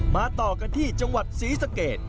ต่อกันที่จังหวัดศรีสะเกด